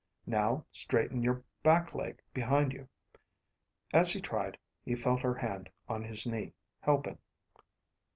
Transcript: Now straighten your back leg behind you." As he tried, he felt her hand on his knee, helping.